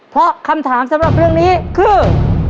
เพราะคำถามสำหรับเรื่องนี้คือ